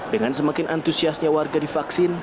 dengan semakin antusiasnya warga divaksin